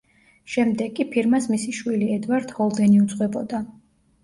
შემდეგ კი ფირმას მისი შვილი, ედვარდ ჰოლდენი უძღვებოდა.